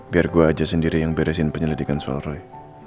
biar gue aja sendiri yang beresin penyelidikan soal roy